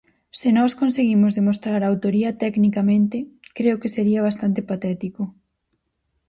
Se nós conseguimos demostrar a autoría tecnicamente, creo que sería bastante patético.